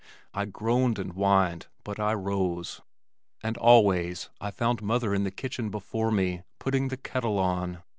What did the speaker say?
I groaned and whined but I rose and always I found mother in the kitchen before me, putting the kettle on.